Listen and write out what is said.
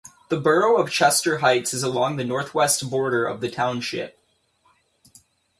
The borough of Chester Heights is along the northwest border of the township.